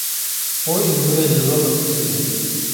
ئۇ ئىلگىرى زىلۋا بىر قىز ئىدى.